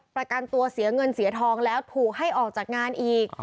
ประกันตัวเสียเงินเสียทองแล้วถูกให้ออกจากงานอีก